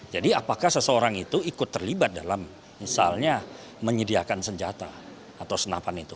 jadi apakah seseorang itu ikut terlibat dalam misalnya menyediakan senjata atau senapan